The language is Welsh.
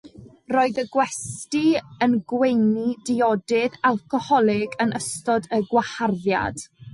Roedd y gwesty yn gweini diodydd alcoholig yn ystod y Gwaharddiad.